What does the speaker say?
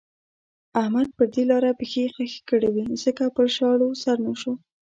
احمد پر دې لاره پښې خښې کړې وې ځکه پر شاړو سر نه شو.